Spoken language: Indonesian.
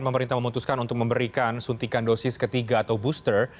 pemerintah memutuskan untuk memberikan suntikan dosis ketiga atau booster